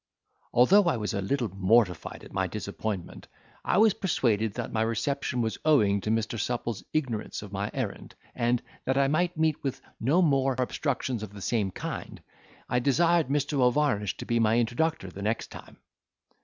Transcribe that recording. Although I was a little mortified at my disappointment, I was persuaded that my reception was owing to Mr. Supple's ignorance of my errand: and, that I might meet with no more obstructions of the same kind, I desired Mr. O'Varnish to be my introductor the next time.